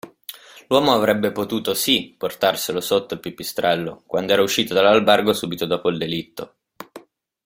L'uomo avrebbe potuto, sí, portarselo sotto il pipistrello, quando era uscito dall'albergo subito dopo il delitto.